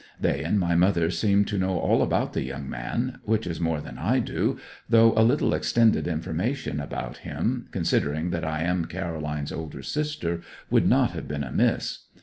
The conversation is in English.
They and my mother seem to know all about the young man which is more than I do, though a little extended information about him, considering that I am Caroline's elder sister, would not have been amiss.